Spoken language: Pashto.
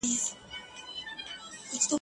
چي یې زده نه وي وهل د غلیمانو ..